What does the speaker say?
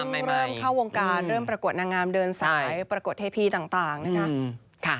เริ่มเข้าวงการเริ่มประกวดนางงามเดินสายประกวดเทพีต่างนะคะ